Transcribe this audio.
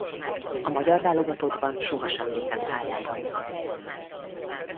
A magyar válogatottban sohasem lépett pályára.